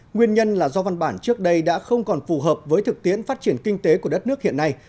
nguyên nhân là do văn bản trước đây đã không còn phù hợp với thực tiễn phát triển kinh tế của đất nước hiện nay